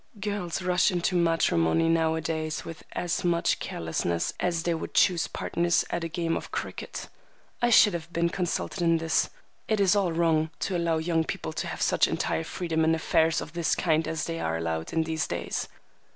Girls rush into matrimony now a days with as much carelessness as they would choose partners at a game of croquet. I should have been consulted in this. It is all wrong to allow young people to have such entire freedom in affairs of this kind as they are allowed in these days."